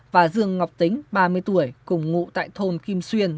và dương ngọc tính ba mươi tuổi cùng ngụ tại thôn kim xuyên